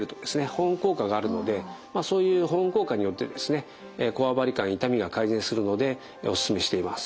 保温効果があるのでそういう保温効果によってですねこわばり感痛みが改善するのでおすすめしています。